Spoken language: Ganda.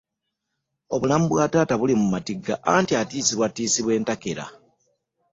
Obulamu bwa taata buli mu matigga anti atiisibwatiisibwa entakera.